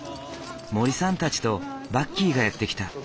森さんたちとバッキーがやって来た。